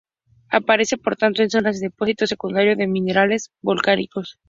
Aparece por tanto en zonas de depósito secundario de minerales volcánicos.